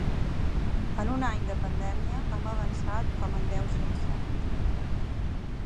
En un any de pandèmia hem avançat com en deu sense.